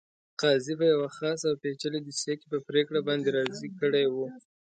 قاضي په یوه خاصه او پېچلې دوسیه کې په پرېکړه باندې راضي کړی وو.